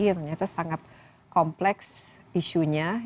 ternyata sangat kompleks isunya